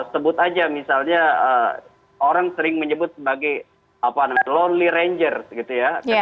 sebut aja misalnya orang sering menyebut sebagai lonely rangers gitu ya